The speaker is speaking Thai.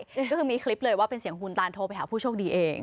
ก็คือมีคลิปเลยว่าเป็นเสียงคุณตานโทรไปหาผู้โชคดีเอง